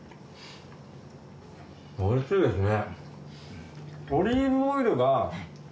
おいしいですね。